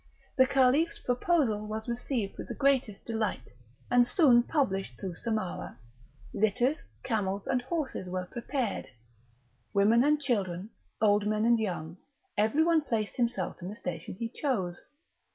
The Caliph's proposal was received with the greatest delight, and soon published through Samarah; litters, camels, and horses were prepared. Women and children, old men and young, every one placed himself in the station he chose.